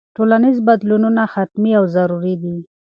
ټولنیز بدلونونه حتمي او ضروري دي.